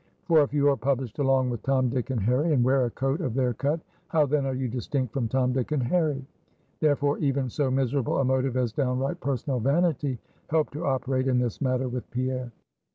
For if you are published along with Tom, Dick, and Harry, and wear a coat of their cut, how then are you distinct from Tom, Dick, and Harry? Therefore, even so miserable a motive as downright personal vanity helped to operate in this matter with Pierre.